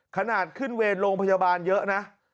ขนาดขึ้นเวรโรงพยาบาลเยอะนะ